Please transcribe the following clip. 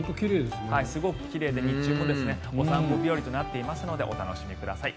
すごく奇麗で、日中もお散歩日和となっていますので楽しみください。